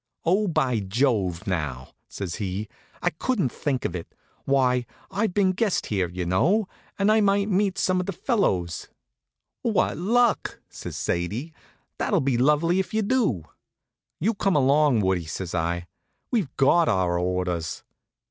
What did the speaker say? "Oh, by Jove, now!" says he, "I couldn't think of it. Why, I've been a guest here, y'know, and I might meet some of the fellows." "What luck!" says Sadie. "That'll be lovely if you do." "You come along, Woodie," says I. "We've got our orders."